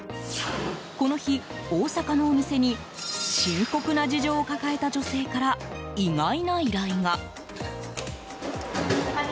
この日、大阪のお店に深刻な事情を抱えた女性から意外な依頼が。